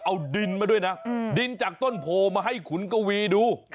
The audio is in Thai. เอาดินมาด้วยนะดินจากต้นโพมาให้ขุนกวีดู